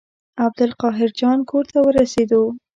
عبدالقاهر جان کور ته ورسېدو.